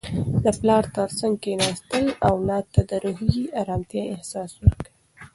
د پلار تر څنګ کښیناستل اولاد ته د روحي ارامتیا احساس ورکوي.